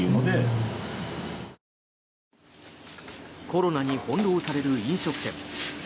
コロナに翻ろうされる飲食店。